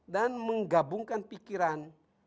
dan menggabungkan pikiran